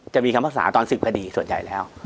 จะมีคำภาษาตอนศึกพอดีส่วนใหญ่แล้ว